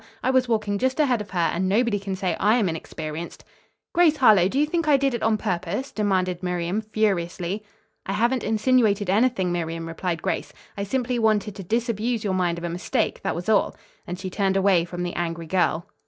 I was walking just ahead of her and nobody can say I am inexperienced." "Grace Harlowe, do you think I did it on purpose?" demanded Miriam furiously. "I haven't insinuated anything, Miriam," replied Grace. "I simply wanted to disabuse your mind of a mistake. That was all." And she turned away from the angry girl.